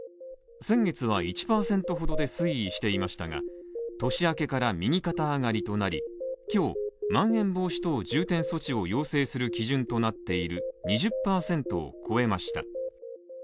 先月は１％ほどで推移していましたが、年明けから右肩上がりとなり今日、まん延防止等重点措置を要請する基準となっている２０％を超えました。